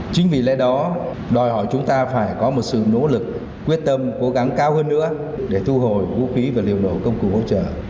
chính vì lẽ đó đòi hỏi chúng ta phải có một sự nỗ lực quyết tâm cố gắng cao hơn nữa để thu hồi vũ khí và liệu nổ công cụ hỗ trợ